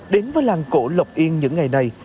đến với làng cổ lộc yên những ngày này